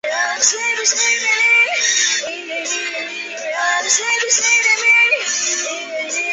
高等教育则有和摄南大学两所大学。